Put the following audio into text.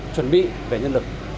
chuẩn bị về nhân lực